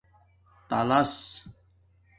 تلس